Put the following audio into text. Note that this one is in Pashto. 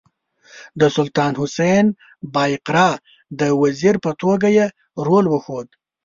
د سلطان حسین بایقرا د وزیر په توګه یې رول وښود.